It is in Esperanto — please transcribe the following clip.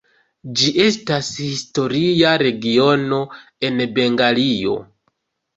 Ĝi estas historia regiono en Bengalio.